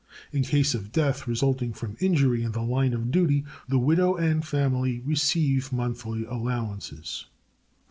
In case of death resulting from injury in the line of duty, the widow and family receive monthly allowances.